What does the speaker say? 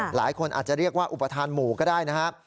หลายคนอาจจะเรียกว่าอุปทานหมู่ก็ได้นะครับ